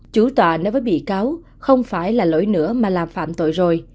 chú tòa nói với bị cáo không phải là lỗi nữa mà làm phạm tội rồi